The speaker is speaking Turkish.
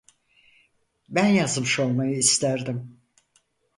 Ben yazmış olmayı isterdim.